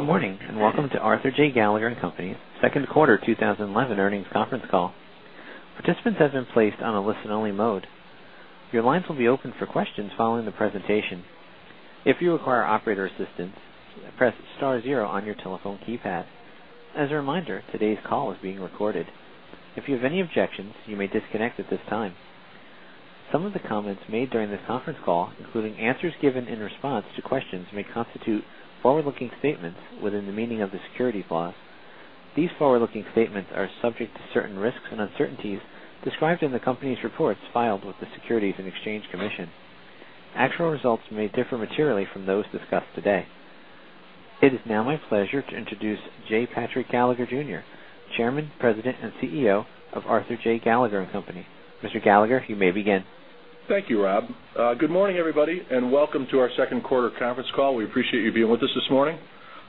Good morning, and welcome to Arthur J. Gallagher & Co.'s second quarter 2011 earnings conference call. Participants have been placed on a listen-only mode. Your lines will be open for questions following the presentation. If you require operator assistance, press star zero on your telephone keypad. As a reminder, today's call is being recorded. If you have any objections, you may disconnect at this time. Some of the comments made during this conference call, including answers given in response to questions, may constitute forward-looking statements within the meaning of the security laws. These forward-looking statements are subject to certain risks and uncertainties described in the company's reports filed with the Securities and Exchange Commission. Actual results may differ materially from those discussed today. It is now my pleasure to introduce J. Patrick Gallagher Jr., Chairman, President, and CEO of Arthur J. Gallagher & Co.. Mr. Gallagher, you may begin. Thank you, Bob. Good morning, everybody, and welcome to our second quarter conference call. We appreciate you being with us this morning.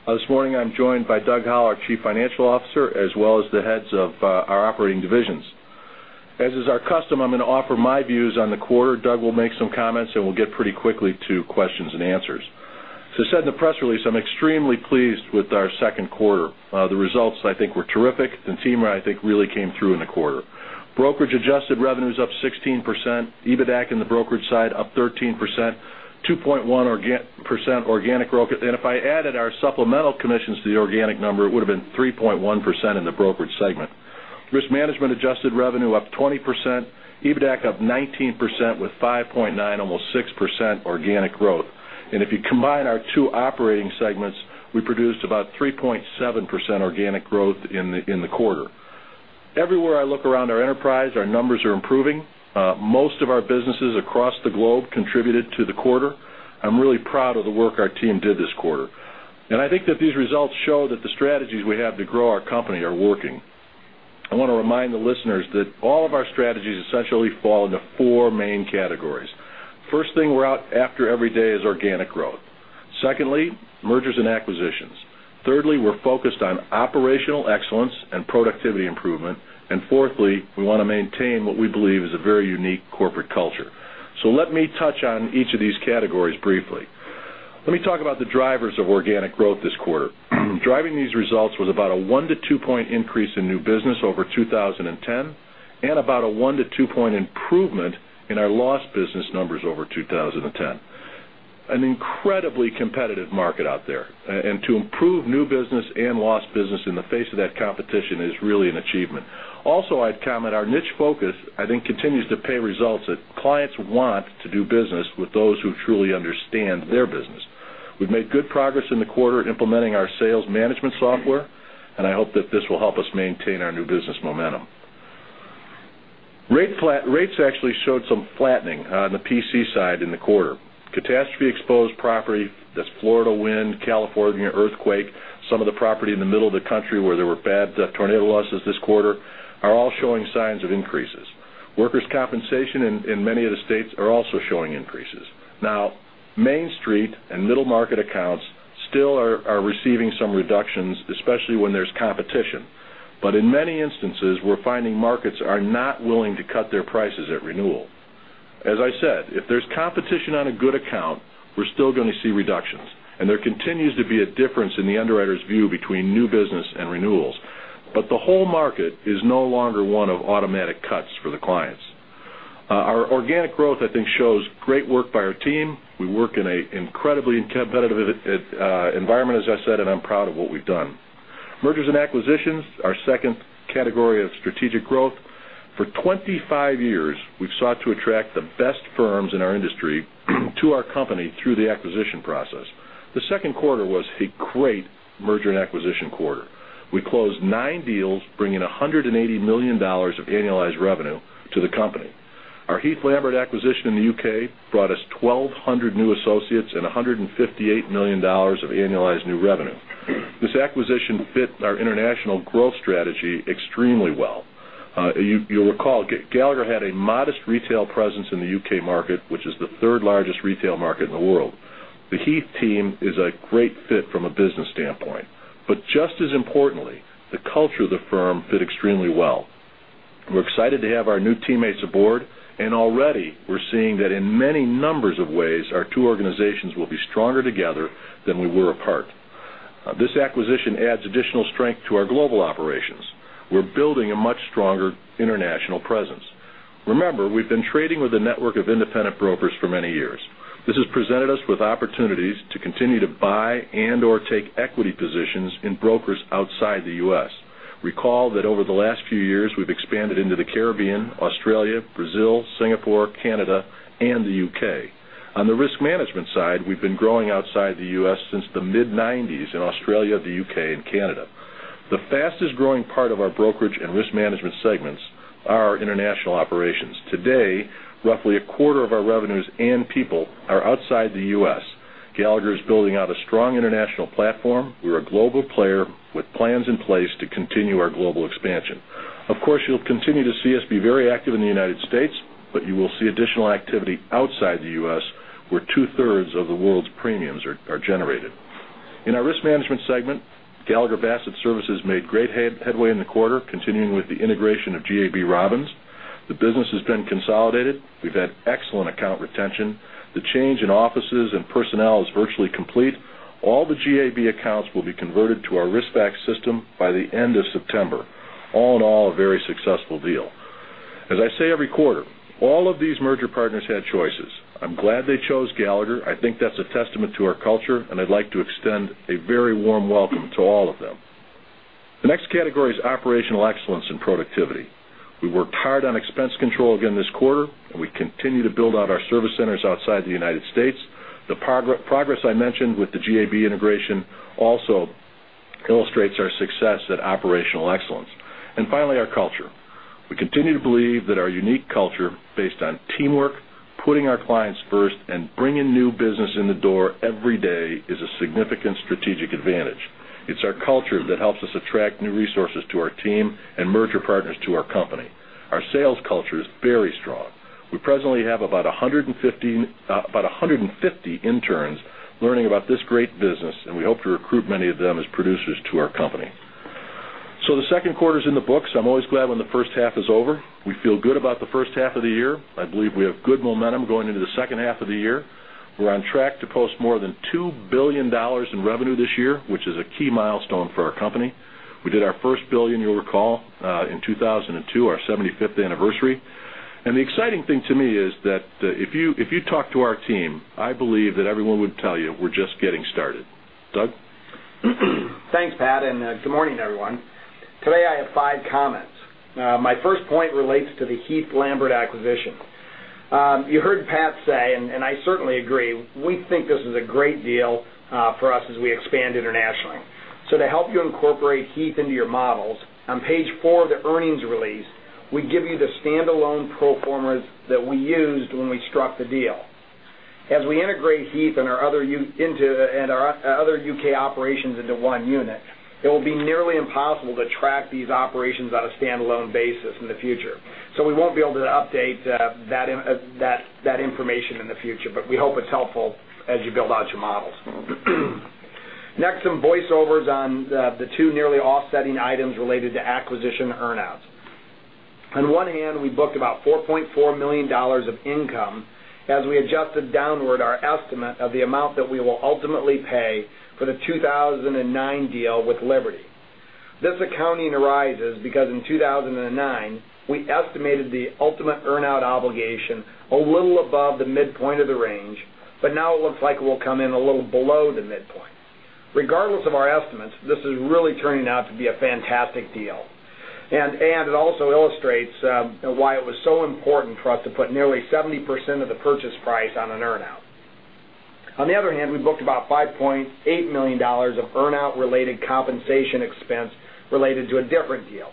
This morning, I'm joined by Doug Howell, our Chief Financial Officer, as well as the heads of our operating divisions. As is our custom, I'm going to offer my views on the quarter. Doug will make some comments, and we'll get pretty quickly to questions and answers. As I said in the press release, I'm extremely pleased with our second quarter. The results, I think, were terrific. The team, I think, really came through in the quarter. Brokerage adjusted revenues up 16%, EBITDAC in the brokerage side up 13%, 2.1% organic growth. If I added our supplemental commissions to the organic number, it would've been 3.1% in the brokerage segment. Risk management adjusted revenue up 20%, EBITDAC up 19% with 5.9%, almost 6% organic growth. If you combine our two operating segments, we produced about 3.7% organic growth in the quarter. Everywhere I look around our enterprise, our numbers are improving. Most of our businesses across the globe contributed to the quarter. I'm really proud of the work our team did this quarter. I think that these results show that the strategies we have to grow our company are working. I want to remind the listeners that all of our strategies essentially fall into 4 main categories. First thing we're out after every day is organic growth. Secondly, mergers and acquisitions. Thirdly, we're focused on operational excellence and productivity improvement. Fourthly, we want to maintain what we believe is a very unique corporate culture. Let me touch on each of these categories briefly. Let me talk about the drivers of organic growth this quarter. Driving these results was about a one- to two-point increase in new business over 2010 and about a one- to two-point improvement in our lost business numbers over 2010. An incredibly competitive market out there, to improve new business and lost business in the face of that competition is really an achievement. Also, I'd comment, our niche focus, I think, continues to pay results that clients want to do business with those who truly understand their business. We've made good progress in the quarter implementing our sales management software, and I hope that this will help us maintain our new business momentum. Rates actually showed some flattening on the PC side in the quarter. Catastrophe-exposed property, that's Florida wind, California earthquake, some of the property in the middle of the country where there were bad tornado losses this quarter, are all showing signs of increases. Workers' compensation in many of the states are also showing increases. Main Street and middle market accounts still are receiving some reductions, especially when there's competition. But in many instances, we're finding markets are not willing to cut their prices at renewal. As I said, if there's competition on a good account, we're still going to see reductions, and there continues to be a difference in the underwriter's view between new business and renewals. But the whole market is no longer one of automatic cuts for the clients. Our organic growth, I think, shows great work by our team. We work in an incredibly competitive environment, as I said, and I'm proud of what we've done. Mergers and acquisitions, our second category of strategic growth. For 25 years, we've sought to attract the best firms in our industry to our company through the acquisition process. The second quarter was a great merger and acquisition quarter. We closed nine deals, bringing $180 million of annualized revenue to the company. Our Heath Lambert acquisition in the U.K. brought us 1,200 new associates and $158 million of annualized new revenue. This acquisition fit our international growth strategy extremely well. You'll recall Gallagher had a modest retail presence in the U.K. market, which is the third largest retail market in the world. The Heath team is a great fit from a business standpoint, but just as importantly, the culture of the firm fit extremely well. We're excited to have our new teammates aboard, and already we're seeing that in many numbers of ways, our two organizations will be stronger together than we were apart. This acquisition adds additional strength to our global operations. We're building a much stronger international presence. Remember, we've been trading with a network of independent brokers for many years. This has presented us with opportunities to continue to buy and/or take equity positions in brokers outside the U.S. Recall that over the last few years, we've expanded into the Caribbean, Australia, Brazil, Singapore, Canada, and the U.K. On the risk management side, we've been growing outside the U.S. since the mid-'90s in Australia, the U.K., and Canada. The fastest-growing part of our brokerage and risk management segments are our international operations. Today, roughly a quarter of our revenues and people are outside the U.S. Gallagher is building out a strong international platform. We're a global player with plans in place to continue our global expansion. Of course, you'll continue to see us be very active in the United States, but you will see additional activity outside the U.S., where two-thirds of the world's premiums are generated. In our risk management segment Gallagher Bassett Services made great headway in the quarter, continuing with the integration of GAB Robins. The business has been consolidated. We've had excellent account retention. The change in offices and personnel is virtually complete. All the GAB accounts will be converted to our RISX-FACS system by the end of September. All in all, a very successful deal. As I say every quarter, all of these merger partners had choices. I'm glad they chose Gallagher. I think that's a testament to our culture, and I'd like to extend a very warm welcome to all of them. The next category is operational excellence and productivity. We worked hard on expense control again this quarter, and we continue to build out our service centers outside the United States. The progress I mentioned with the GAB integration also illustrates our success at operational excellence. And finally, our culture. We continue to believe that our unique culture, based on teamwork, putting our clients first, and bringing new business in the door every day, is a significant strategic advantage. It's our culture that helps us attract new resources to our team and merger partners to our company. Our sales culture is very strong. We presently have about 150 interns learning about this great business, and we hope to recruit many of them as producers to our company. The second quarter is in the books. I'm always glad when the first half is over. We feel good about the first half of the year. I believe we have good momentum going into the second half of the year. We're on track to post more than $2 billion in revenue this year, which is a key milestone for our company. We did our first billion, you'll recall, in 2002, our 75th anniversary. The exciting thing to me is that if you talk to our team, I believe that everyone would tell you we're just getting started. Doug? Thanks, Pat, and good morning, everyone. Today, I have five comments. My first point relates to the Heath Lambert acquisition. You heard Pat say, and I certainly agree, we think this is a great deal for us as we expand internationally. To help you incorporate Heath into your models, on page four of the earnings release, we give you the standalone pro formas that we used when we struck the deal. As we integrate Heath and our other U.K. operations into one unit, it will be nearly impossible to track these operations on a standalone basis in the future. We won't be able to update that information in the future, but we hope it's helpful as you build out your models. Next, some voiceovers on the two nearly offsetting items related to acquisition earn-outs. On one hand, we booked about $4.4 million of income as we adjusted downward our estimate of the amount that we will ultimately pay for the 2009 deal with Liberty. This accounting arises because in 2009, we estimated the ultimate earn-out obligation a little above the midpoint of the range, but now it looks like it will come in a little below the midpoint. Regardless of our estimates, this is really turning out to be a fantastic deal. It also illustrates why it was so important for us to put nearly 70% of the purchase price on an earn-out. On the other hand, we booked about $5.8 million of earn-out related compensation expense related to a different deal.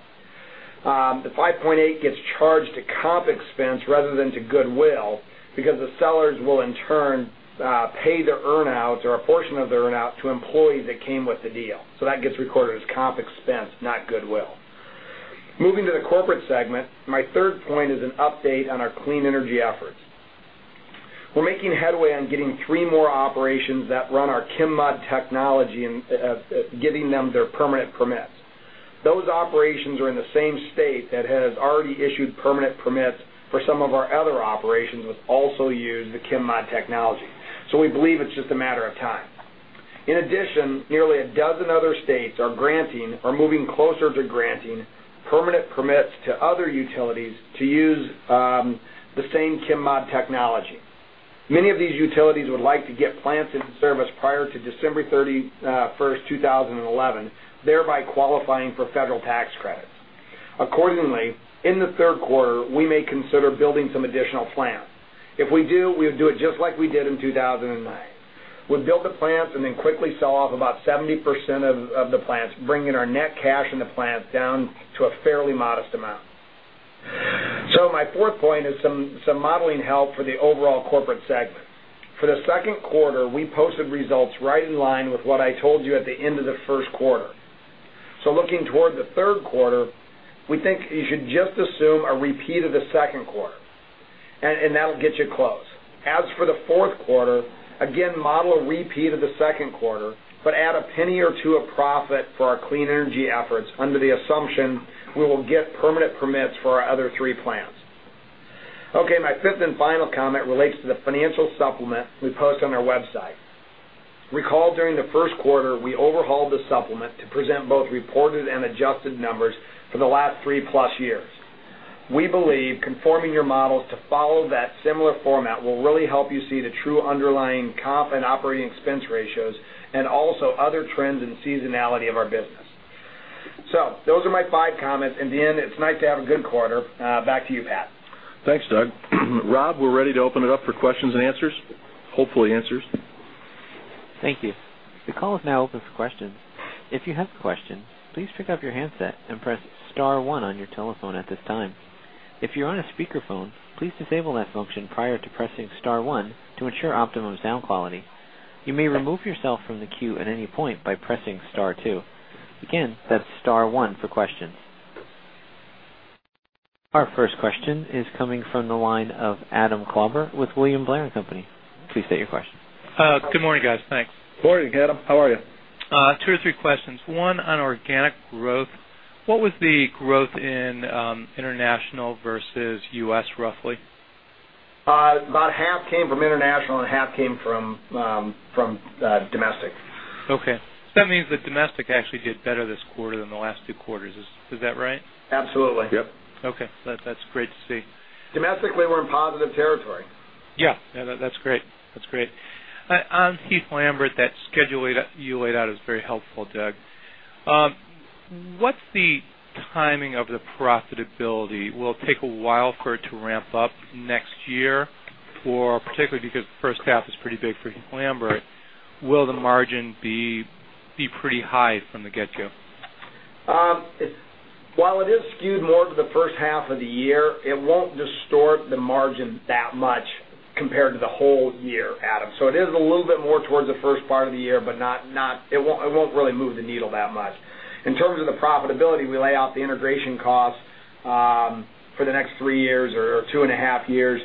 The $5.8 gets charged to comp expense rather than to goodwill because the sellers will, in turn, pay the earn-outs or a portion of the earn-out to employees that came with the deal. That gets recorded as comp expense, not goodwill. Moving to the corporate segment, my third point is an update on our clean energy efforts. We are making headway on getting three more operations that run our ChemMod technology and getting them their permanent permits. Those operations are in the same state that has already issued permanent permits for some of our other operations, which also use the ChemMod technology. We believe it is just a matter of time. In addition, nearly a dozen other states are granting or moving closer to granting permanent permits to other utilities to use the same ChemMod technology. Many of these utilities would like to get plants into service prior to December 31st, 2011, thereby qualifying for federal tax credits. Accordingly, in the third quarter, we may consider building some additional plants. If we do, we will do it just like we did in 2009. We will build the plants and then quickly sell off about 70% of the plants, bringing our net cash in the plants down to a fairly modest amount. My fourth point is some modeling help for the overall corporate segment. For the second quarter, we posted results right in line with what I told you at the end of the first quarter. Looking toward the third quarter, we think you should just assume a repeat of the second quarter, and that will get you close. As for the fourth quarter, again, model a repeat of the second quarter, but add $0.01 or $0.02 of profit for our clean energy efforts under the assumption we will get permanent permits for our other three plants. My fifth and final comment relates to the financial supplement we post on our website. Recall during the first quarter, we overhauled the supplement to present both reported and adjusted numbers for the last three-plus years. We believe conforming your models to follow that similar format will really help you see the true underlying comp and operating expense ratios and also other trends and seasonality of our business. Those are my five comments. In the end, it is nice to have a good quarter. Back to you, Pat. Thanks, Doug. Bob, we are ready to open it up for questions and answers. Hopefully, answers. Thank you. The call is now open for questions. If you have a question, please pick up your handset and press *1 on your telephone at this time. If you're on a speakerphone, please disable that function prior to pressing *1 to ensure optimum sound quality. You may remove yourself from the queue at any point by pressing *2. Again, that's *1 for questions. Our first question is coming from the line of Adam Klauber with William Blair & Company. Please state your question. Good morning, guys. Thanks. Morning, Adam. How are you? Two or three questions. One on organic growth. What was the growth in international versus U.S., roughly? About half came from international and half came from domestic. Okay. That means that domestic actually did better this quarter than the last two quarters. Is that right? Absolutely. Yep. Okay. That's great to see. Domestically, we're in positive territory. No, that's great. On Heath Lambert, that schedule you laid out is very helpful, Doug. What's the timing of the profitability? Will it take a while for it to ramp up next year? Particularly because the first half is pretty big for Heath Lambert, will the margin be pretty high from the get-go? While it is skewed more to the first half of the year, it won't distort the margin that much compared to the whole year, Adam. It is a little bit more towards the first part of the year, but it won't really move the needle that much. In terms of the profitability, we lay out the integration costs for the next three years or two and a half years.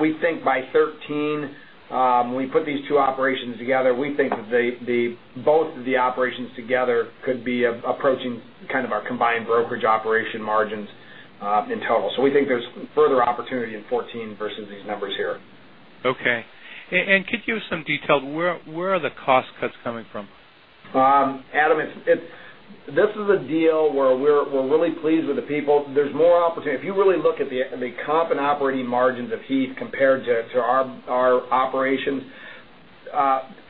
We think by 2013, we put these two operations together, we think that both of the operations together could be approaching kind of our combined brokerage operation margins in total. We think there's further opportunity in 2014 versus these numbers here. Okay. Could you give some detail, where are the cost cuts coming from? Adam, this is a deal where we're really pleased with the people. There's more opportunity. If you really look at the comp and operating margins of Heath compared to our operations,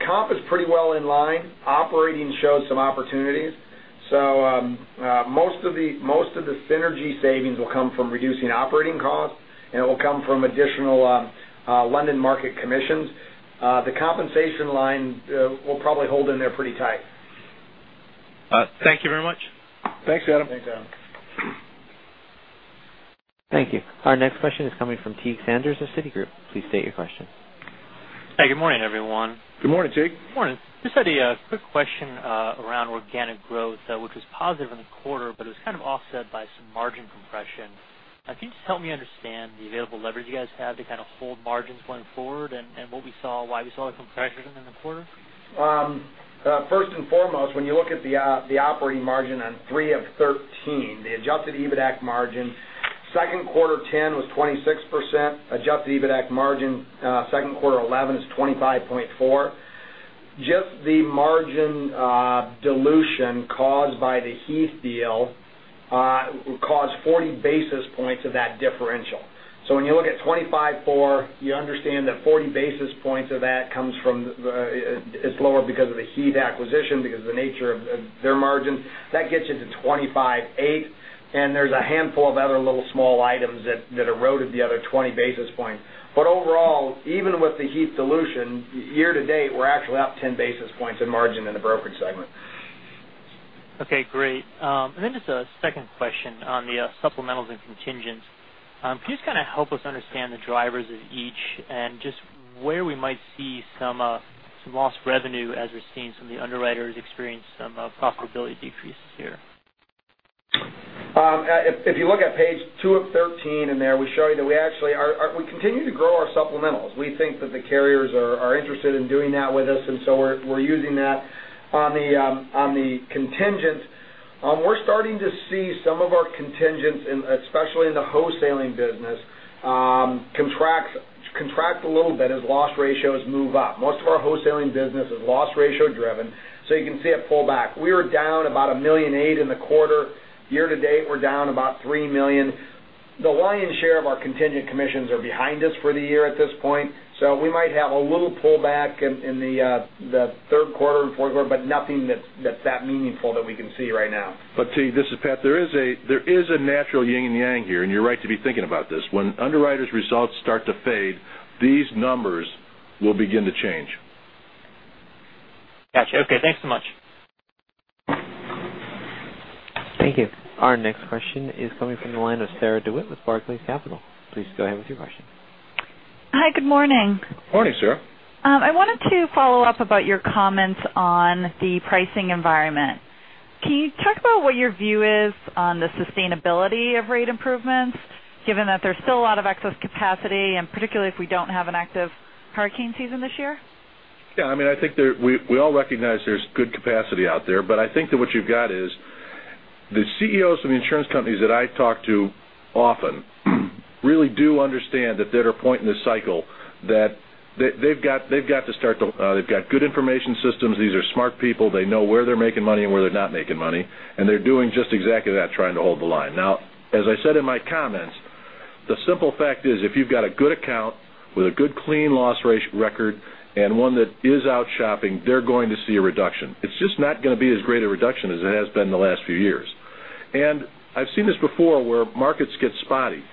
comp is pretty well in line. Operating shows some opportunities. Most of the synergy savings will come from reducing operating costs, and it will come from additional London market commissions. The compensation line will probably hold in there pretty tight. Thank you very much. Thanks, Adam. Thanks, Adam. Thank you. Our next question is coming from Teague Sanders of Citigroup. Please state your question. Hi, good morning, everyone. Good morning, Teague. Morning. Just had a quick question around organic growth, which was positive in the quarter, but it was kind of offset by some margin compression. Can you just help me understand the available leverage you guys have to kind of hold margins going forward and what we saw, why we saw the compression in the quarter? First and foremost, when you look at the operating margin on three of 13, the adjusted EBITDAC margin, second quarter 2010 was 26%. Adjusted EBITDAC margin, second quarter 2011 is 25.4%. Just the margin dilution caused by the Heath deal caused 40 basis points of that differential. When you look at 25.4%, you understand that 40 basis points of that is lower because of the Heath acquisition, because of the nature of their margins. That gets you to 25.8%, and there's a handful of other little small items that eroded the other 20 basis points. Overall, even with the Heath dilution, year-to-date, we're actually up 10 basis points in margin in the brokerage segment. Okay, great. Just a second question on the supplementals and contingents. Can you just kind of help us understand the drivers of each and just where we might see some lost revenue as we're seeing some of the underwriters experience some profitability decreases here? If you look at page two of 13 in there, we show you that we actually continue to grow our supplementals. We think that the carriers are interested in doing that with us, and so we're using that. On the contingents, we're starting to see some of our contingents, especially in the wholesaling business, contract a little bit as loss ratios move up. Most of our wholesaling business is loss ratio driven, you can see it pull back. We were down about $1.8 million in the quarter. Year to date, we're down about $3 million. The lion's share of our contingent commissions are behind us for the year at this point. We might have a little pullback in the third quarter, fourth quarter, but nothing that's that meaningful that we can see right now. Teague, this is Pat. There is a natural yin and yang here, and you're right to be thinking about this. When underwriters' results start to fade, these numbers will begin to change. Got you. Okay, thanks so much. Thank you. Our next question is coming from the line of Sarah DeWitt with Barclays Capital. Please go ahead with your question. Hi, good morning. Morning, Sarah. I wanted to follow up about your comments on the pricing environment. Can you talk about what your view is on the sustainability of rate improvements, given that there's still a lot of excess capacity, and particularly if we don't have an active hurricane season this year? Yeah, I think we all recognize there's good capacity out there. I think that what you've got is the CEOs of the insurance companies that I talk to often really do understand that they're at a point in the cycle that they've got good information systems. These are smart people. They know where they're making money and where they're not making money, and they're doing just exactly that, trying to hold the line. As I said in my comments, the simple fact is if you've got a good account with a good clean loss ratio record and one that is out shopping, they're going to see a reduction. It's just not going to be as great a reduction as it has been the last few years. I've seen this before where markets get spotty.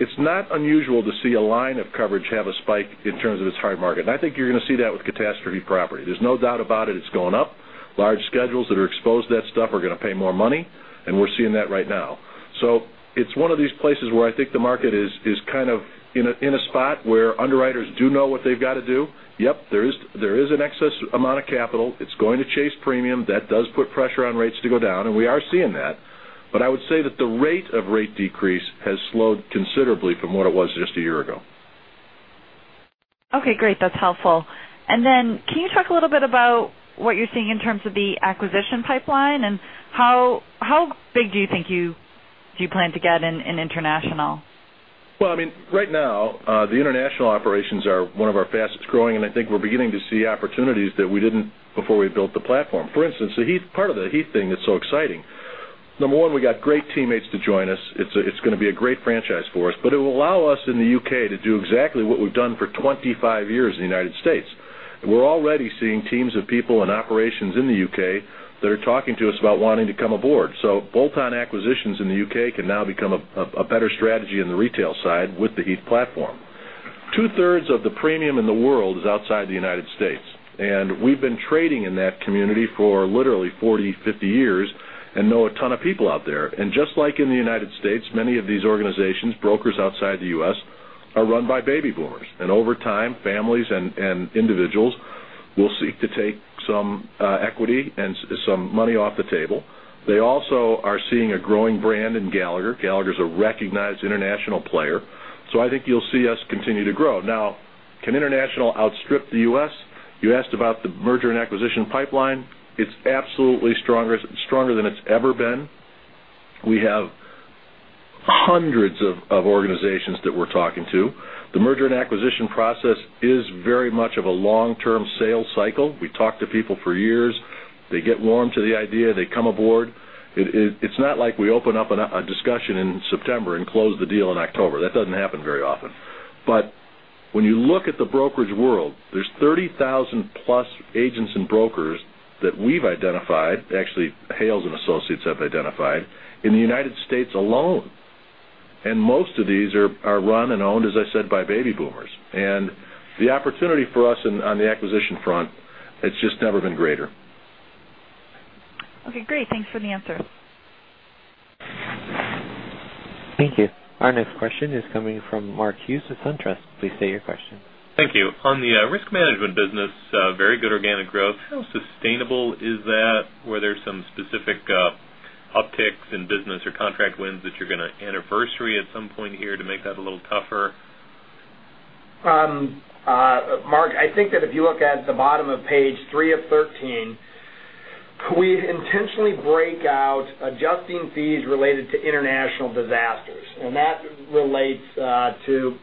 It's not unusual to see a line of coverage have a spike in terms of its hard market. I think you're going to see that with catastrophe property. There's no doubt about it. It's going up. Large schedules that are exposed to that stuff are going to pay more money, and we're seeing that right now. It's one of these places where I think the market is kind of in a spot where underwriters do know what they've got to do. Yep, there is an excess amount of capital. It's going to chase premium. That does put pressure on rates to go down, and we are seeing that. I would say that the rate of rate decrease has slowed considerably from what it was just a year ago. Okay, great. That's helpful. Then can you talk a little bit about what you're seeing in terms of the acquisition pipeline and how big do you think you plan to get in international? Well, right now, the international operations are one of our fastest-growing, I think we're beginning to see opportunities that we didn't before we built the platform. For instance, part of the Heath thing that's so exciting, number one, we got great teammates to join us. It's going to be a great franchise for us, it will allow us in the U.K. to do exactly what we've done for 25 years in the United States. We're already seeing teams of people and operations in the U.K. that are talking to us about wanting to come aboard. Bolt-on acquisitions in the U.K. can now become a better strategy in the retail side with the Heath platform. Two-thirds of the premium in the world is outside the United States, and we've been trading in that community for literally 40, 50 years and know a ton of people out there. Just like in the U.S., many of these organizations, brokers outside the U.S., are run by baby boomers. Over time, families and individuals will seek to take some equity and some money off the table. They also are seeing a growing brand in Gallagher. Gallagher's a recognized international player, I think you'll see us continue to grow. Can international outstrip the U.S.? You asked about the merger and acquisition pipeline. It's absolutely stronger than it's ever been. We have hundreds of organizations that we're talking to. The merger and acquisition process is very much of a long-term sales cycle. We talk to people for years. They get warm to the idea. They come aboard. It's not like we open up a discussion in September and close the deal in October. That doesn't happen very often. When you look at the brokerage world, there's 30,000 agents and brokers that we've identified, actually Hale & Associates have identified, in the U.S. alone. Most of these are run and owned, as I said, by baby boomers. The opportunity for us on the acquisition front, it's just never been greater. Great. Thanks for the answer. Thank you. Our next question is coming from Mark Hughes of SunTrust. Please state your question. Thank you. On the risk management business, very good organic growth. How sustainable is that? Were there some specific upticks in business or contract wins that you're going to anniversary at some point here to make that a little tougher? Mark, I think that if you look at the bottom of page three of 13, we intentionally break out adjusting fees related to international disasters. That relates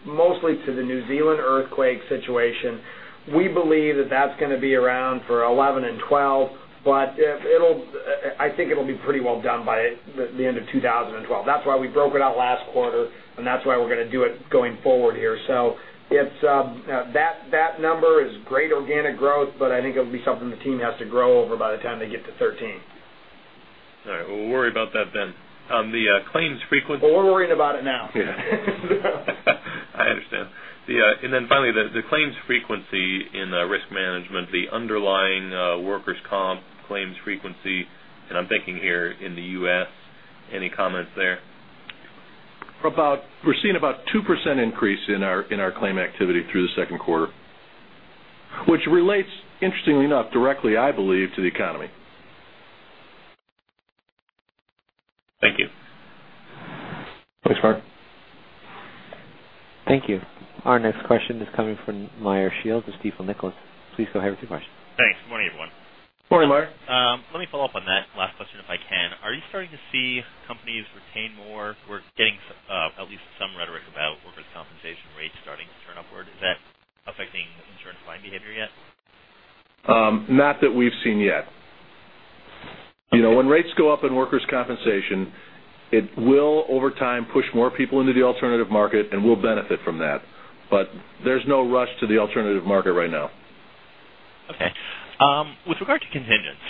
mostly to the New Zealand earthquake situation. We believe that that's going to be around for 2011 and 2012. I think it'll be pretty well done by the end of 2012. That's why we broke it out last quarter. That's why we're going to do it going forward here. That number is great organic growth. I think it'll be something the team has to grow over by the time they get to 2013. All right, we'll worry about that then. The claims frequency- Well, we're worrying about it now. Yeah. I understand. Finally, the claims frequency in risk management, the underlying workers' comp claims frequency, I am thinking here in the U.S. Any comments there? We are seeing about 2% increase in our claim activity through the second quarter, which relates, interestingly enough, directly, I believe, to the economy. Thank you. Thanks, Mark. Thank you. Our next question is coming from Meyer Shields with Stifel Nicolaus. Please go ahead with your question. Thanks. Good morning, everyone. Morning, Meyer. Let me follow up on that last question, if I can. Are you starting to see companies retain more? We're getting at least some rhetoric about workers' compensation rates starting to turn upward. Is that affecting insurance buying behavior yet? Not that we've seen yet. Okay. When rates go up in workers' compensation, it will, over time, push more people into the alternative market, and we'll benefit from that. There's no rush to the alternative market right now. Okay. With regard to contingents,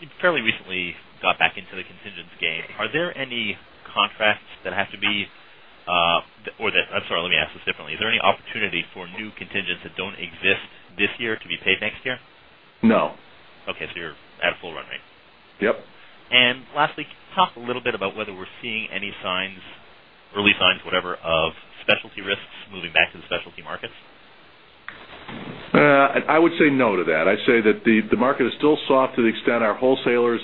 you fairly recently got back into the contingents game. I'm sorry, let me ask this differently. Is there any opportunity for new contingents that don't exist this year to be paid next year? No. Okay, you're at a full run rate. Yep. Lastly, talk a little bit about whether we're seeing any early signs, whatever, of specialty risks moving back to the specialty markets? I would say no to that. I'd say that the market is still soft to the extent our wholesalers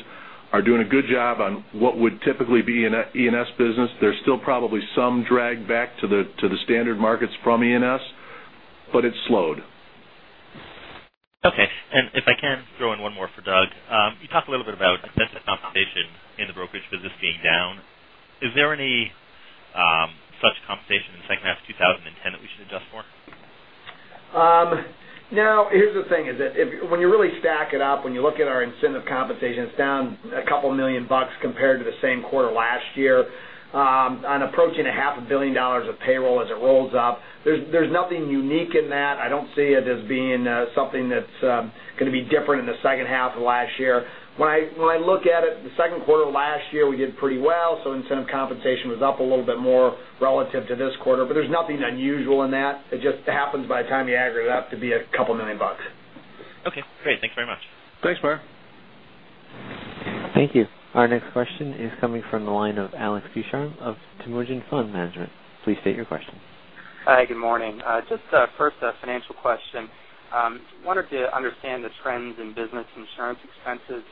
are doing a good job on what would typically be an E&S business. There's still probably some drag back to the standard markets from E&S, but it's slowed. Okay. If I can throw in one more for Doug. You talked a little bit about incentive compensation in the brokerage business being down. Is there any such compensation in the second half of 2010 that we should adjust for? Here's the thing, is that when you really stack it up, when you look at our incentive compensation, it's down a couple million dollars compared to the same quarter last year. On approaching a half a billion dollars of payroll as it rolls up, there's nothing unique in that. I don't see it as being something that's going to be different in the second half of last year. When I look at it, the second quarter of last year, we did pretty well, so incentive compensation was up a little bit more relative to this quarter, but there's nothing unusual in that. It just happens by the time you aggregate it out to be a couple million dollars. Okay, great. Thanks very much. Thanks, Meyer. Thank you. Our next question is coming from the line of Alex Ducharme of Temujin Fund Management. Please state your question. Hi, good morning. Just first a financial question. I wanted to understand the trends in business insurance expenses.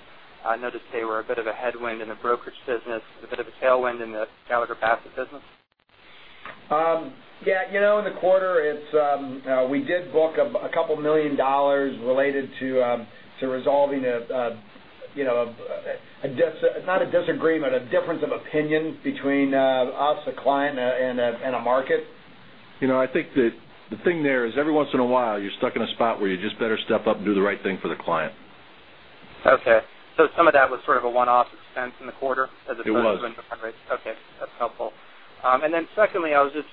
I noticed they were a bit of a headwind in the brokerage business and a bit of a tailwind in the Gallagher Bassett business. Yeah. In the quarter, we did book a couple million dollars related to resolving, not a disagreement, a difference of opinion between us, a client, and a market. I think that the thing there is every once in a while, you're stuck in a spot where you just better step up and do the right thing for the client. Okay. Some of that was sort of a one-off expense in the quarter. It was Secondly, I just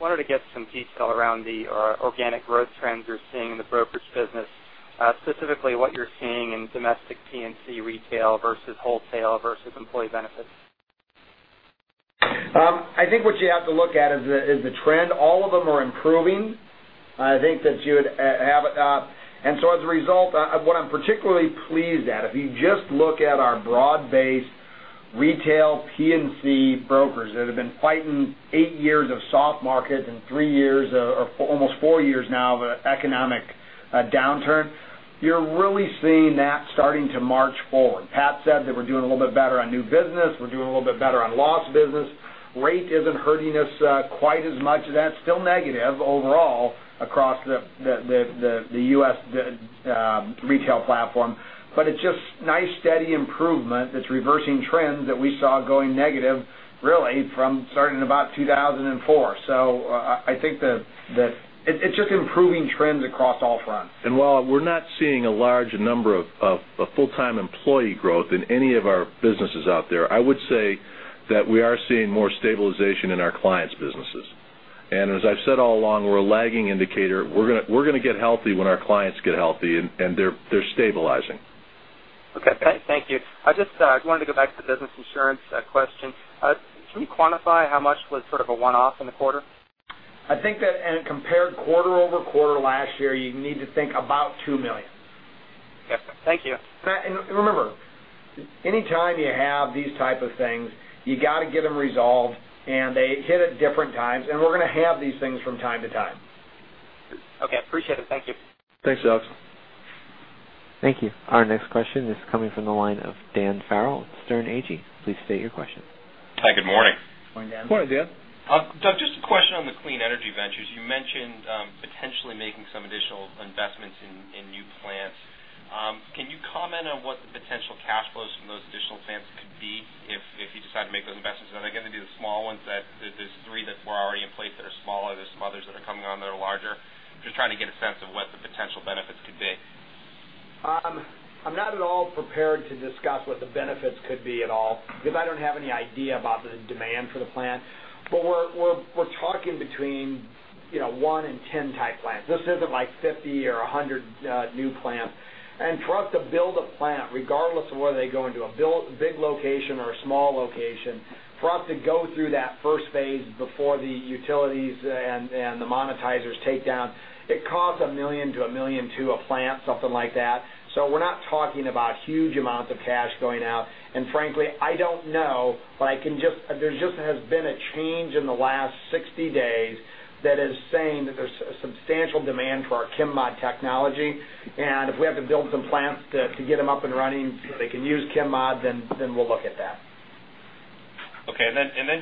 wanted to get some detail around the organic growth trends you're seeing in the brokerage business, specifically what you're seeing in domestic P&C retail versus wholesale versus employee benefits. I think what you have to look at is the trend. All of them are improving. As a result, what I'm particularly pleased at, if you just look at our broad-based retail P&C brokers that have been fighting eight years of soft markets and three years, or almost four years now, of economic downturn, you're really seeing that starting to march forward. Pat said that we're doing a little bit better on new business. We're doing a little bit better on lost business. Rate isn't hurting us quite as much. That's still negative overall across the U.S. retail platform, but it's just nice, steady improvement that's reversing trends that we saw going negative, really from starting in about 2004. I think that it's just improving trends across all fronts. While we're not seeing a large number of full-time employee growth in any of our businesses out there, I would say that we are seeing more stabilization in our clients' businesses. As I've said all along, we're a lagging indicator. We're going to get healthy when our clients get healthy, and they're stabilizing. Okay. Thank you. I just wanted to go back to the business insurance question. Can you quantify how much was sort of a one-off in the quarter? Compared quarter-over-quarter last year, you need to think about $2 million. Yes, sir. Thank you. Remember, anytime you have these type of things, you got to get them resolved, and they hit at different times, and we're going to have these things from time to time. Okay. Appreciate it. Thank you. Thanks, Alex. Thank you. Our next question is coming from the line of Dan Farrell at Sterne Agee. Please state your question. Hi, good morning. Good morning, Dan. Morning, Dan. Doug, just a question on the clean energy ventures. You mentioned potentially making some additional investments in new plants. Can you comment on what the potential cash flows from those additional plants could be if you decide to make those investments? Are they going to be the small ones, those three that were already in place that are smaller? There are some others that are coming on that are larger. Just trying to get a sense of what the potential benefits could be. I'm not at all prepared to discuss what the benefits could be at all because I don't have any idea about the demand for the plant. We're talking between one and 10 type plants. This isn't like 50 or 100 new plants. For us to build a plant, regardless of whether they go into a big location or a small location, for us to go through that first phase before the utilities and the monetizers take down, it costs $1 million-$1.2 million a plant, something like that. We're not talking about huge amounts of cash going out. Frankly, I don't know, but there just has been a change in the last 60 days that is saying that there's substantial demand for our Chem-Mod technology. If we have to build some plants to get them up and running so they can use Chem-Mod, we'll look at that. Okay.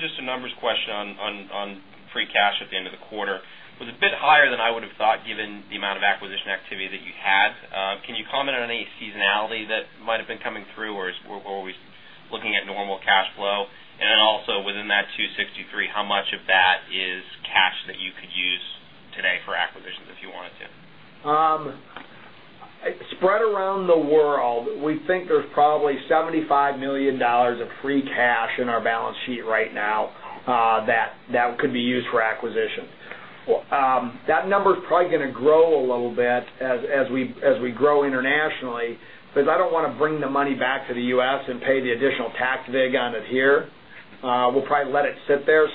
Just a numbers question on free cash at the end of the quarter. It was a bit higher than I would've thought, given the amount of acquisition activity that you had. Can you comment on any seasonality that might've been coming through, or are we looking at normal cash flow? Also within that $263, how much of that is cash that you could use today for acquisitions if you wanted to? Spread around the world, we think there's probably $75 million of free cash in our balance sheet right now that could be used for acquisitions. That number's probably going to grow a little bit as we grow internationally, because I don't want to bring the money back to the U.S. and pay the additional tax they got it here. We'll probably let it sit there.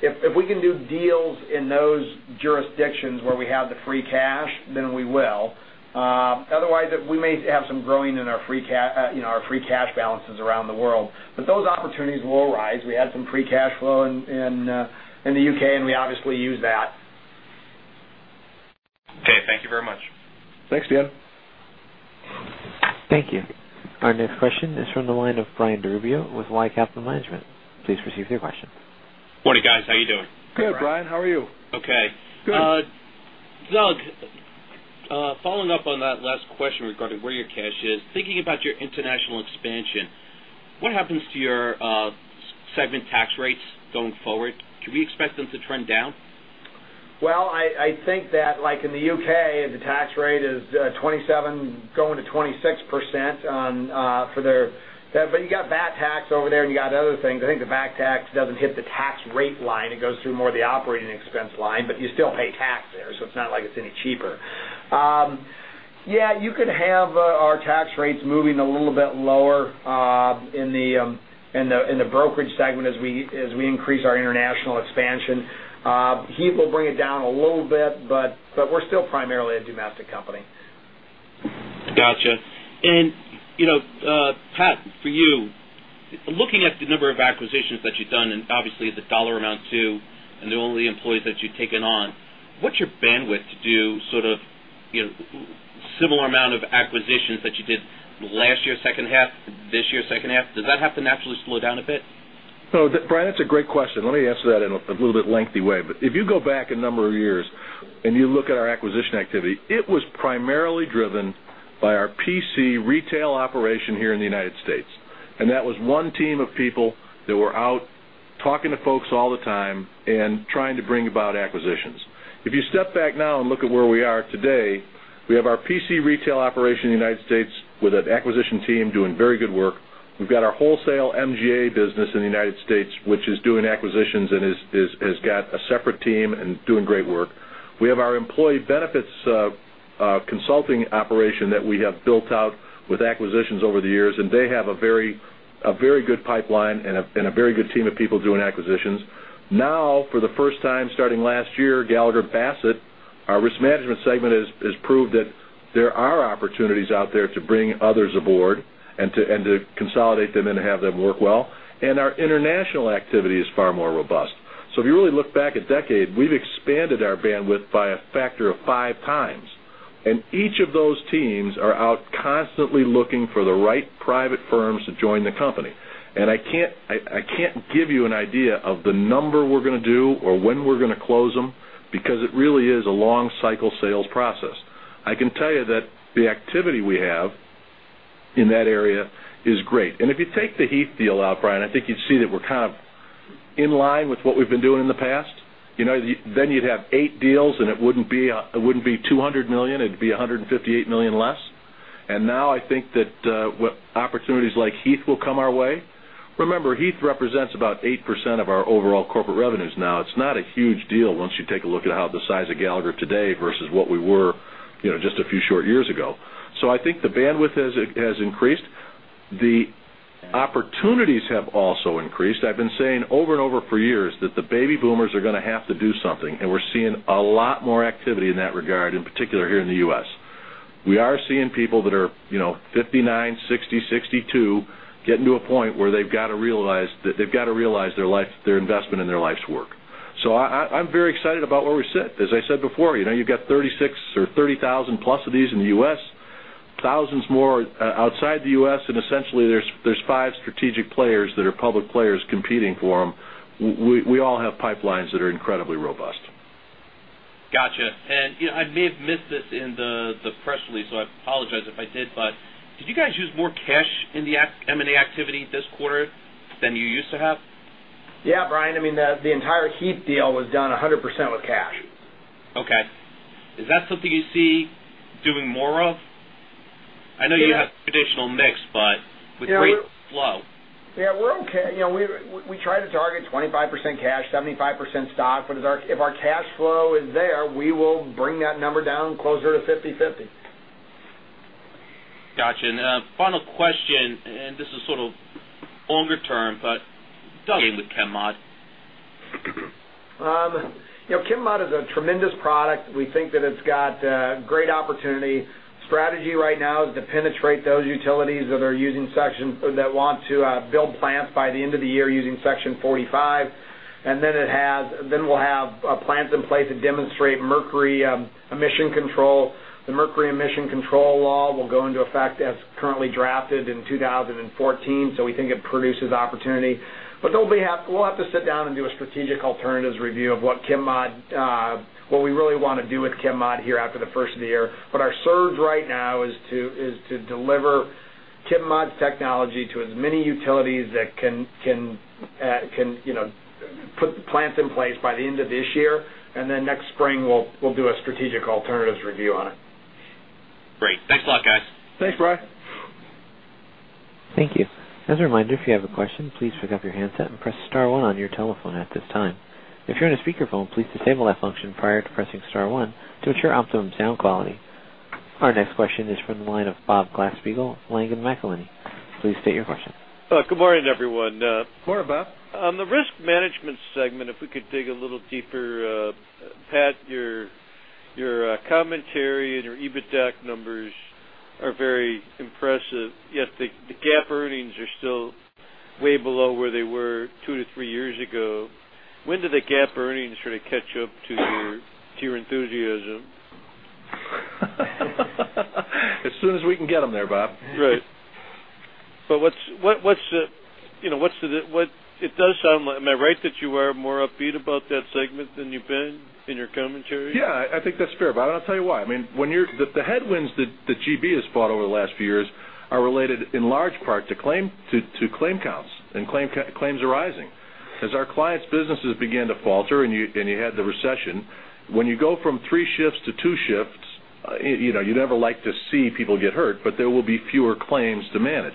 If we can do deals in those jurisdictions where we have the free cash, we will. Otherwise, we may have some growing in our free cash balances around the world, but those opportunities will rise. We had some free cash flow in the U.K., we obviously used that. Okay. Thank you very much. Thanks, Dan. Thank you. Our next question is from the line of Brian DiRubio with Y Capital Management. Please proceed with your question. Morning, guys. How you doing? Good, Brian. How are you? Okay. Good. Doug, following up on that last question regarding where your cash is, thinking about your international expansion, what happens to your segment tax rates going forward? Should we expect them to trend down? Well, I think that, like in the U.K., the tax rate is 27%, going to 26% for their-- you got VAT tax over there, and you got other things. I think the VAT tax doesn't hit the tax rate line. It goes through more the operating expense line, you still pay tax there, so it's not like it's any cheaper. You could have our tax rates moving a little bit lower in the brokerage segment as we increase our international expansion. Heath will bring it down a little bit, we're still primarily a domestic company. Got you. Pat, for you, looking at the number of acquisitions that you've done, obviously the dollar amount too, all the employees that you've taken on, what's your bandwidth to do similar amount of acquisitions that you did last year second half, this year second half? Does that have to naturally slow down a bit? Brian, that's a great question. Let me answer that in a little bit lengthy way. If you go back a number of years and you look at our acquisition activity, it was primarily driven by our PC retail operation here in the U.S. That was one team of people that were out talking to folks all the time and trying to bring about acquisitions. If you step back now and look at where we are today, we have our PC retail operation in the U.S. with an acquisition team doing very good work. We've got our wholesale MGA business in the U.S., which is doing acquisitions and has got a separate team and doing great work. We have our employee benefits consulting operation that we have built out with acquisitions over the years, and they have a very good pipeline and a very good team of people doing acquisitions. Now, for the first time starting last year, Gallagher Bassett, our risk management segment, has proved that there are opportunities out there to bring others aboard and to consolidate them and have them work well. Our international activity is far more robust. If you really look back a decade, we've expanded our bandwidth by a factor of five times, and each of those teams are out constantly looking for the right private firms to join the company. I can't give you an idea of the number we're going to do or when we're going to close them, because it really is a long cycle sales process. I can tell you that the activity we have in that area is great. If you take the Heath deal out, Brian, I think you'd see that we're kind of in line with what we've been doing in the past. You'd have eight deals, and it wouldn't be $200 million, it'd be $158 million less. Now I think that opportunities like Heath will come our way. Remember, Heath represents about 8% of our overall corporate revenues now. It's not a huge deal once you take a look at how the size of Gallagher today versus what we were just a few short years ago. I think the bandwidth has increased. The opportunities have also increased. I've been saying over and over for years that the baby boomers are going to have to do something, and we're seeing a lot more activity in that regard, in particular here in the U.S. We are seeing people that are 59, 60, 62 getting to a point where they've got to realize their investment and their life's work. I'm very excited about where we sit. As I said before, you've got 36,000 or 30,000 plus of these in the U.S., thousands more outside the U.S., essentially there's five strategic players that are public players competing for them. We all have pipelines that are incredibly robust. Got you. I may have missed this in the press release, I apologize if I did you guys use more cash in the M&A activity this quarter than you used to have? Brian, the entire Heath deal was done 100% with cash. Is that something you see doing more of? I know you have traditional mix, but with great flow. We're okay. We try to target 25% cash, 75% stock, but if our cash flow is there, we will bring that number down closer to 50/50. Got you. Final question, and this is sort of longer term, but tell me with Chem-Mod. Chem-Mod is a tremendous product. We think that it's got great opportunity. Strategy right now is to penetrate those utilities that want to build plants by the end of the year using Section 45. We'll have plants in place that demonstrate mercury emission control. The mercury emission control law will go into effect as currently drafted in 2014. We think it produces opportunity. We'll have to sit down and do a strategic alternatives review of what we really want to do with Chem-Mod here after the first of the year. Our surge right now is to deliver Chem-Mod's technology to as many utilities that can put the plants in place by the end of this year. Next spring, we'll do a strategic alternatives review on it. Great. Thanks a lot, guys. Thanks, Brian. Thank you. As a reminder, if you have a question, please pick up your handset and press star one on your telephone at this time. If you're in a speakerphone, please disable that function prior to pressing star one to ensure optimum sound quality. Our next question is from the line of Bob Glasspiegel, Langen McAlenney. Please state your question. Good morning, everyone. Good morning, Bob. On the risk management segment, if we could dig a little deeper. Pat, your commentary and your EBITDA numbers are very impressive, yet the GAAP earnings are still way below where they were two to three years ago. When do the GAAP earnings sort of catch up to your enthusiasm? As soon as we can get them there, Bob. Right. Am I right that you are more upbeat about that segment than you've been in your commentary? Yeah, I think that's fair, Bob, and I'll tell you why. The headwinds that GB has fought over the last few years are related in large part to claim counts and claims arising. As our clients' businesses began to falter, and you had the recession, when you go from three shifts to two shifts, you never like to see people get hurt, but there will be fewer claims to manage.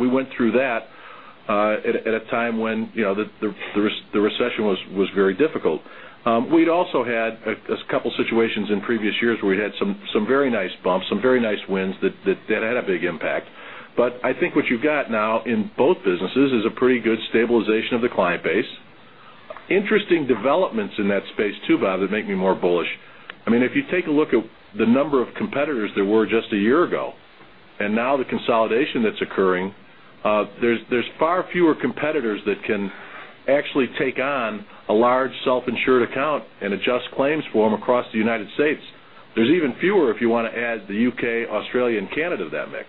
We went through that at a time when the recession was very difficult. We'd also had a couple situations in previous years where we'd had some very nice bumps, some very nice wins that had a big impact. I think what you've got now in both businesses is a pretty good stabilization of the client base. Interesting developments in that space too, Bob, that make me more bullish. If you take a look at the number of competitors there were just a year ago, and now the consolidation that's occurring, there's far fewer competitors that can actually take on a large self-insured account and adjust claims form across the U.S. There's even fewer if you want to add the U.K., Australia, and Canada to that mix.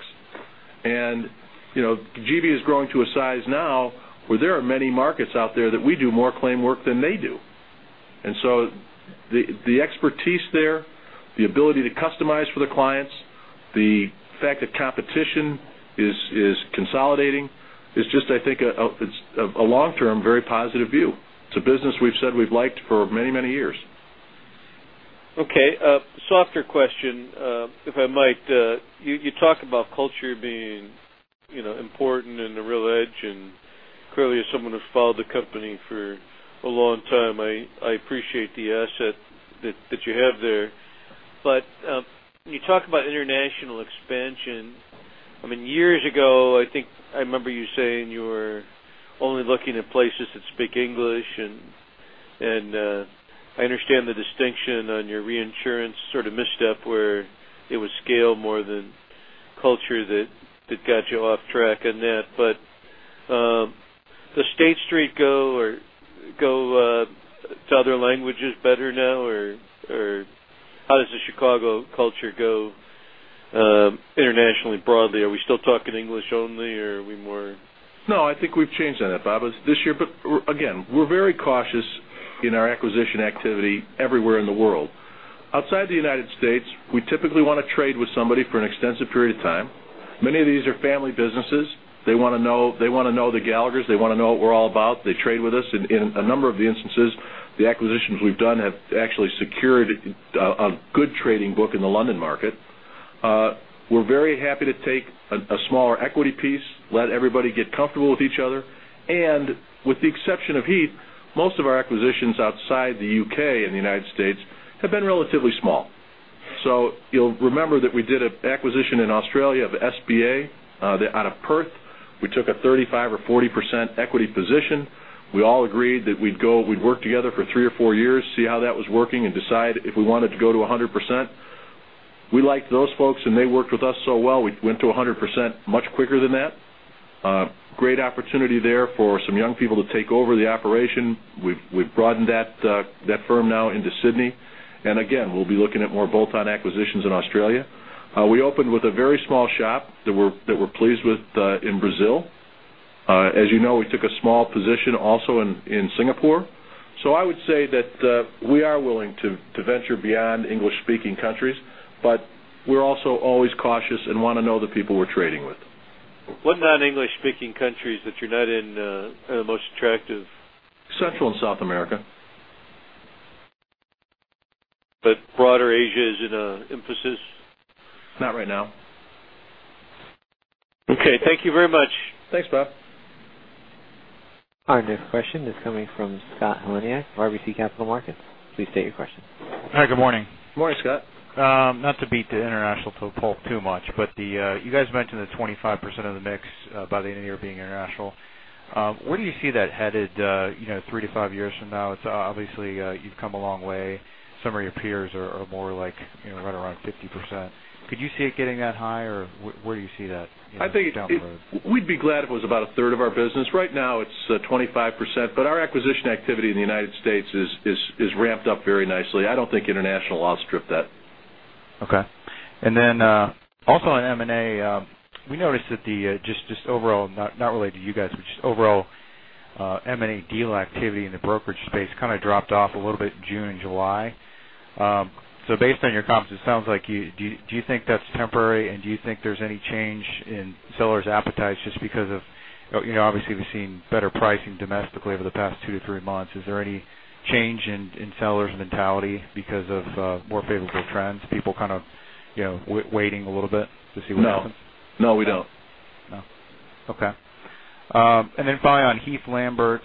GB is growing to a size now where there are many markets out there that we do more claim work than they do. The expertise there, the ability to customize for the clients, the fact that competition is consolidating is just, I think, a long-term, very positive view. It's a business we've said we've liked for many years. Okay. A softer question, if I might. You talk about culture being important and a real edge, and clearly as someone who's followed the company for a long time, I appreciate the asset that you have there. You talk about international expansion. Years ago, I think I remember you saying you were only looking at places that speak English, and I understand the distinction on your reinsurance sort of misstep where it was scale more than culture that got you off track on that. Does State Street go to other languages better now, or how does the Chicago culture go internationally broadly? Are we still talking English only, or are we more? No, I think we've changed that, Bob. This year, again, we're very cautious in our acquisition activity everywhere in the world. Outside the U.S., we typically want to trade with somebody for an extensive period of time. Many of these are family businesses. They want to know the Gallaghers. They want to know what we're all about. They trade with us. In a number of the instances, the acquisitions we've done have actually secured a good trading book in the London market. We're very happy to take a smaller equity piece, let everybody get comfortable with each other. With the exception of Heath, most of our acquisitions outside the U.K. and the U.S. have been relatively small. You'll remember that we did an acquisition in Australia of SBA out of Perth. We took a 35% or 40% equity position. We all agreed that we'd work together for three or four years, see how that was working, and decide if we wanted to go to 100%. We liked those folks, and they worked with us so well, we went to 100% much quicker than that. Great opportunity there for some young people to take over the operation. We've broadened that firm now into Sydney. Again, we'll be looking at more bolt-on acquisitions in Australia. We opened with a very small shop that we're pleased with in Brazil. As you know, we took a small position also in Singapore. I would say that we are willing to venture beyond English-speaking countries, we're also always cautious and want to know the people we're trading with. What non-English-speaking countries that you're not in are the most attractive? Central and South America. Broader Asia is an emphasis? Not right now. Okay. Thank you very much. Thanks, Bob. Our next question is coming from Scott Heleniak, RBC Capital Markets. Please state your question. Hi. Good morning. Good morning, Scott. Not to beat the international topic too much, but you guys mentioned that 25% of the mix by the end of the year being international. Where do you see that headed three to five years from now? Obviously, you've come a long way. Some of your peers are more like right around 50%. Could you see it getting that high, or where do you see that down the road? I think we'd be glad if it was about a third of our business. Right now it's 25%, but our acquisition activity in the U.S. is ramped up very nicely. I don't think international will outstrip that. Okay. Also on M&A, we noticed that just overall, not related to you guys, but just overall M&A deal activity in the brokerage space kind of dropped off a little bit in June and July. Based on your comments, it sounds like, do you think that's temporary, and do you think there's any change in sellers' appetites just because of, obviously, we've seen better pricing domestically over the past two to three months. Is there any change in sellers' mentality because of more favorable trends, people kind of waiting a little bit to see what happens? No. No, we don't. No. Okay. Finally on Heath Lambert,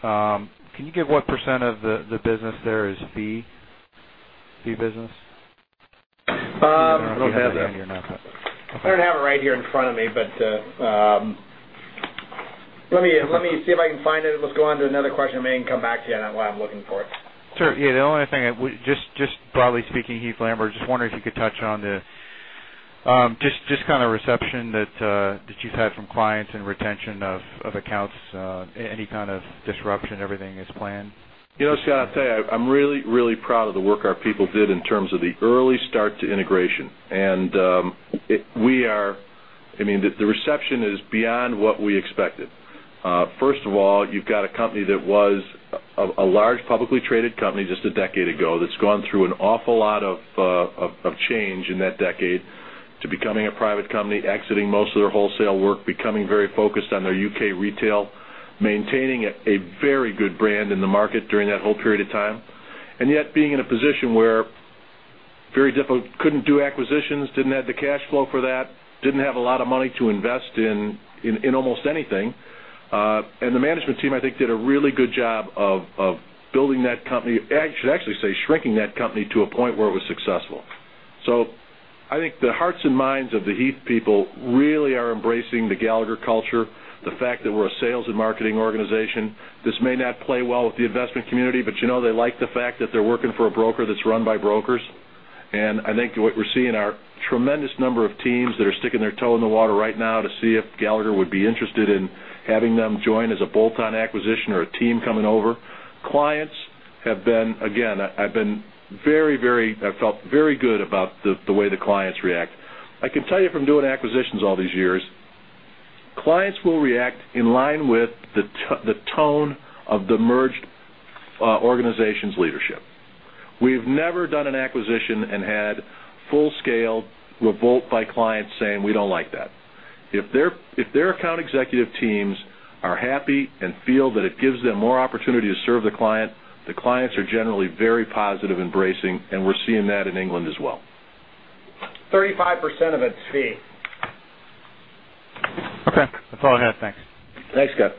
can you give what % of the business there is fee business? I don't have that. I don't have it right here in front of me, but let me see if I can find it. Let's go on to another question. I may come back to you on that while I'm looking for it. Sure. The only thing, just broadly speaking, Heath Lambert, just wondering if you could touch on the kind of reception that you've had from clients and retention of accounts. Any kind of disruption, everything as planned? Scott, I'll tell you, I'm really proud of the work our people did in terms of the early start to integration. The reception is beyond what we expected. First of all, you've got a company that was a large publicly traded company just a decade ago, that's gone through an awful lot of change in that decade to becoming a private company, exiting most of their wholesale work, becoming very focused on their U.K. retail, maintaining a very good brand in the market during that whole period of time. Yet being in a position where very difficult, couldn't do acquisitions, didn't have the cash flow for that, didn't have a lot of money to invest in almost anything. The management team, I think, did a really good job of building that company. I should actually say shrinking that company to a point where it was successful. I think the hearts and minds of the Heath people really are embracing the Gallagher culture, the fact that we're a sales and marketing organization. This may not play well with the investment community, but they like the fact that they're working for a broker that's run by brokers. I think what we're seeing are tremendous number of teams that are sticking their toe in the water right now to see if Gallagher would be interested in having them join as a bolt-on acquisition or a team coming over. Clients have been, again, I felt very good about the way the clients react. I can tell you from doing acquisitions all these years, clients will react in line with the tone of the merged organization's leadership. We've never done an acquisition and had full-scale revolt by clients saying, "We don't like that." If their account executive teams are happy and feel that it gives them more opportunity to serve the client, the clients are generally very positive embracing, and we're seeing that in England as well. 35% of it's fee. Okay. That's all I had. Thanks. Thanks, Scott.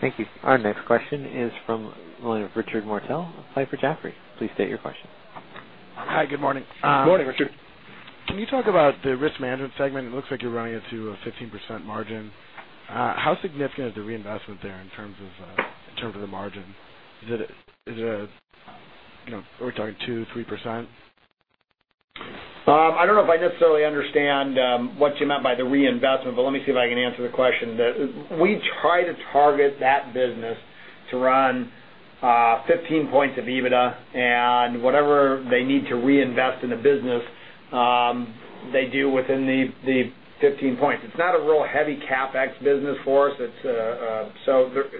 Thank you. Our next question is from the line of Richard Mortel of Piper Jaffray. Please state your question. Hi. Good morning. Good morning, Richard. Can you talk about the risk management segment? It looks like you're running into a 15% margin. How significant is the reinvestment there in terms of the margin? Are we talking 2%, 3%? I don't know if I necessarily understand what you meant by the reinvestment, but let me see if I can answer the question. We try to target that business to run 15 points of EBITDA, and whatever they need to reinvest in the business, they do within the 15 points. It's not a real heavy CapEx business for us.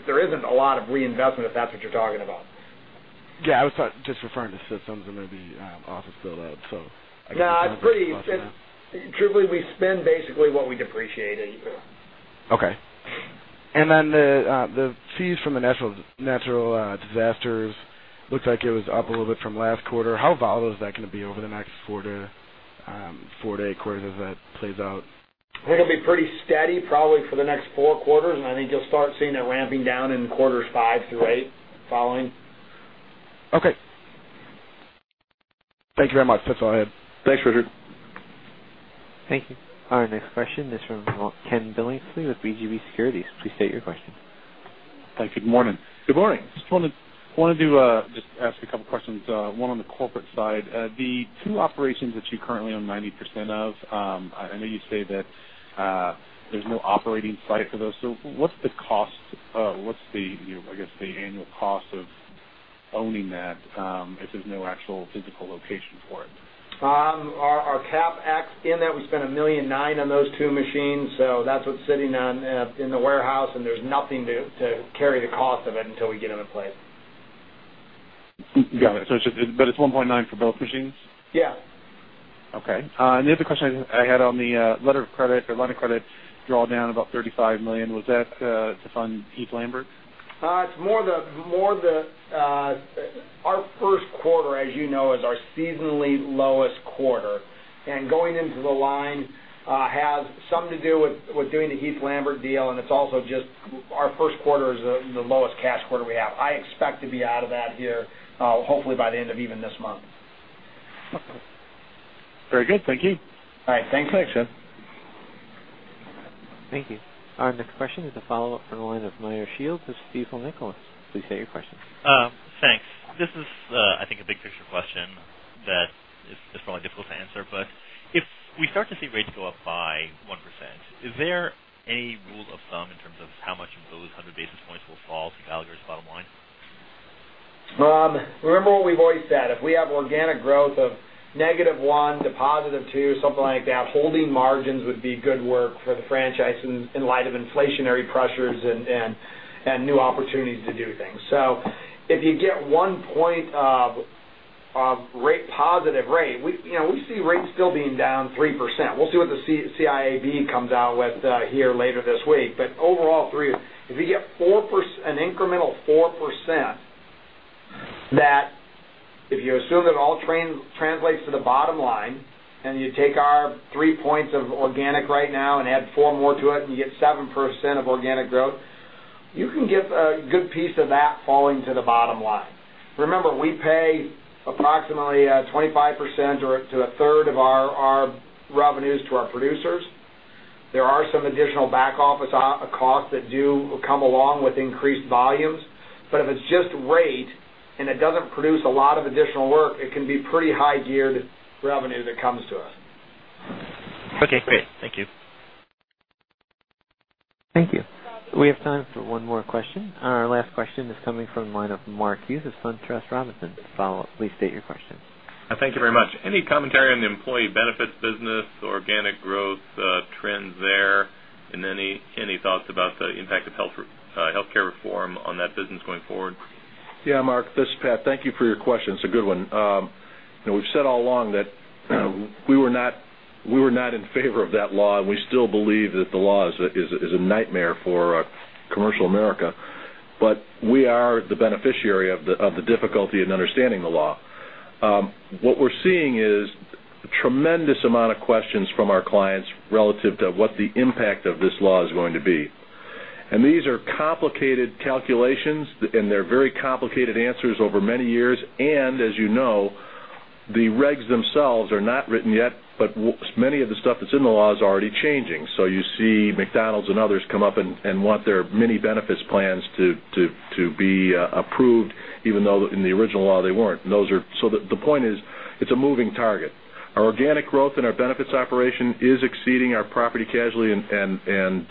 There isn't a lot of reinvestment, if that's what you're talking about. Yeah, I was just referring to systems that may be office build out, so I guess- No, typically, we spend basically what we depreciate in. Okay. The fees from the natural disasters looked like it was up a little bit from last quarter. How volatile is that going to be over the next four to eight quarters as that plays out? I think it'll be pretty steady probably for the next four quarters, and I think you'll start seeing that ramping down in quarters five through eight following. Okay. Thank you very much. That's all I had. Thanks, Richard. Thank you. Our next question is from Ken Billingsley with BGC Securities. Please state your question. Good morning. Good morning. Just wanted to ask a couple questions, one on the corporate side. The two operations that you currently own 90% of, I know you say that there's no operating site for those. What's the, I guess, the annual cost of owning that, if there's no actual physical location for it? Our CapEx in that, we spent $1.9 million on those two machines. That's what's sitting in the warehouse, and there's nothing to carry the cost of it until we get it in place. Got it. It's $1.9 for both machines? Yeah. Okay. The other question I had on the letter of credit, the line of credit draw down about $35 million. Was that to fund Heath Lambert? Our first quarter, as you know, is our seasonally lowest quarter, and going into the line has something to do with doing the Heath Lambert deal, and it's also just our first quarter is the lowest cash quarter we have. I expect to be out of that here, hopefully by the end of even this month. Very good. Thank you. All right. Thanks, Ken. Thank you. Our next question is a follow-up from the line of Meyer Shields. This is Steve Nicholas. Please state your question. Thanks. This is, I think, a big picture question that is probably difficult to answer, but if we start to see rates go up by 1%, is there any rule of thumb in terms of how much of those 100 basis points will fall to Gallagher's bottom line? Remember what we've always said, if we have organic growth of negative 1% to positive 2%, something like that, holding margins would be good work for the franchise in light of inflationary pressures and new opportunities to do things. If you get one point of positive rate, we see rates still being down 3%. We'll see what the CIAB comes out with here later this week. Overall, if you get an incremental 4%, that if you assume that it all translates to the bottom line, and you take our three points of organic right now and add four more to it, and you get 7% of organic growth, you can get a good piece of that falling to the bottom line. Remember, we pay approximately 25% or to a third of our revenues to our producers. There are some additional back office costs that do come along with increased volumes. If it's just rate and it doesn't produce a lot of additional work, it can be pretty high geared revenue that comes to us. Okay, great. Thank you. Thank you. We have time for one more question. Our last question is coming from the line of Mark Hughes of SunTrust Robinson. Please state your question. Thank you very much. Any commentary on the employee benefits business, organic growth trends there, and any thoughts about the impact of healthcare reform on that business going forward? Yeah, Mark, this is Pat. Thank you for your question. It's a good one. We've said all along that we were not in favor of that law. We still believe that the law is a nightmare for commercial America. We are the beneficiary of the difficulty in understanding the law. What we're seeing is a tremendous amount of questions from our clients relative to what the impact of this law is going to be. These are complicated calculations, and they're very complicated answers over many years. As you know, the regs themselves are not written yet, but many of the stuff that's in the law is already changing. You see McDonald's and others come up and want their mini-benefits plans to be approved, even though in the original law, they weren't. The point is, it's a moving target. Our organic growth in our benefits operation is exceeding our property casualty and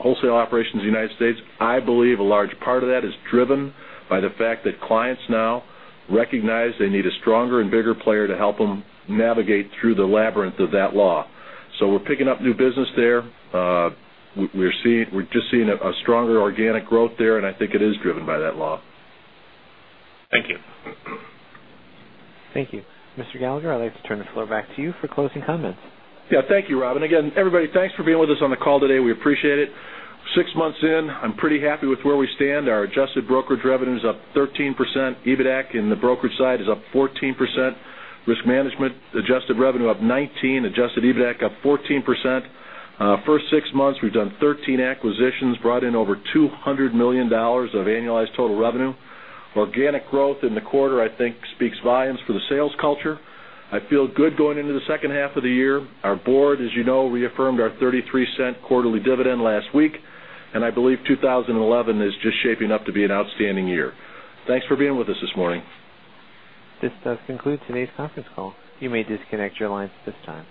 wholesale operations in the United States. I believe a large part of that is driven by the fact that clients now recognize they need a stronger and bigger player to help them navigate through the labyrinth of that law. We're picking up new business there. We're just seeing a stronger organic growth there, and I think it is driven by that law. Thank you. Thank you. Mr. Gallagher, I'd like to turn the floor back to you for closing comments. Yeah. Thank you, Robin. Again, everybody, thanks for being with us on the call today. We appreciate it. Six months in, I'm pretty happy with where we stand. Our adjusted brokerage revenue is up 13%. EBITDA in the brokerage side is up 14%. Risk management, adjusted revenue up 19%, adjusted EBITDA up 14%. First six months, we've done 13 acquisitions, brought in over $200 million of annualized total revenue. Organic growth in the quarter, I think, speaks volumes for the sales culture. I feel good going into the second half of the year. Our board, as you know, reaffirmed our $0.33 quarterly dividend last week, and I believe 2011 is just shaping up to be an outstanding year. Thanks for being with us this morning. This does conclude today's conference call. You may disconnect your lines at this time.